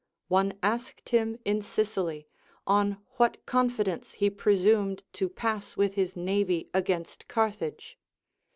One asked him in Sicily, on what confidence he presumed to pass with his navv against Carthage.